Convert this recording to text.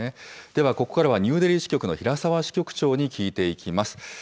ではここからはニューデリー支局の平沢支局長に聞いていきます。